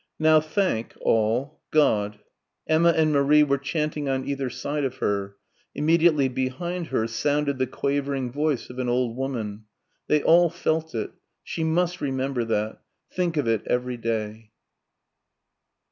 "Now thank, all, God!" ... Emma and Marie were chanting on either side of her. Immediately behind her sounded the quavering voice of an old woman. They all felt it. She must remember that.... Think of it every day.